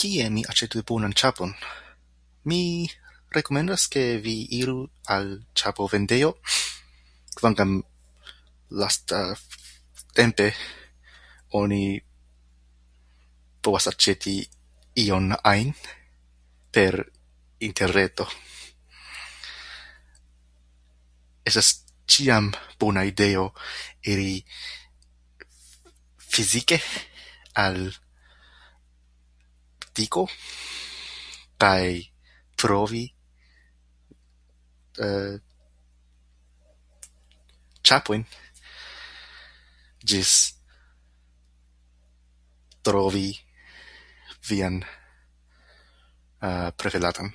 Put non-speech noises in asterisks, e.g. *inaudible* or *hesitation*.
Kie mi aĉetu bonan ĉapon? Mi rekomendas ke vi iru al ĉapo-vendejo kvankam lastatempe oni povas aĉeti ion ajn per interreto. Estas ĉiam bona ideo iri f- fizike al butiko kaj provi *hesitation* ĉapojn ĝis trovi vian *hesitation* preferatan.